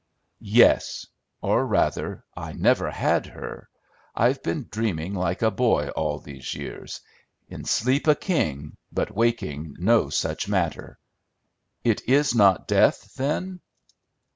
"Yes! Or, rather, I never had her. I've been dreaming like a boy all these years, 'In sleep a king, but waking, no such matter.'" "It is not death, then?"